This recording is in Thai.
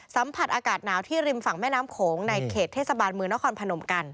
สัมผัสอากาศหนาวที่ริมฝั่งแม่น้ำโขงในเขตเทศบาลเมืองนครพนมกัน